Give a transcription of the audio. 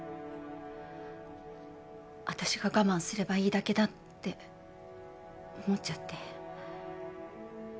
私が我慢すればいいだけだって思っちゃって。